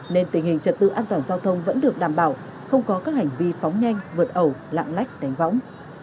nên tình hình trật tự an toàn giao thông vẫn được đảm bảo không có các hành vi phóng nhanh vượt ẩu lạng lách đánh võng